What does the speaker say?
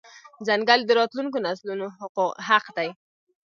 ځنګل د راتلونکو نسلونو حق دی.